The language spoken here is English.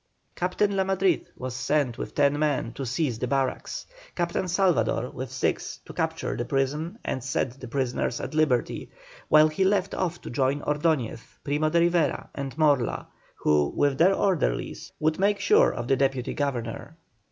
Captain La Madrid was sent with ten men to seize the barracks, Captain Salvador, with six, to capture the prison and set the prisoners at liberty; while he went off to join Ordoñez, Primo de Rivera, and Morla, who, with their orderlies, would make sure of the Deputy Governor.